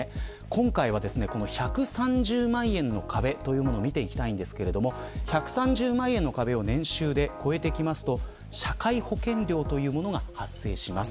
今回は１３０万円の壁というものを見ていきますが１３０万円の壁を年収で超えると社会保険料が発生します。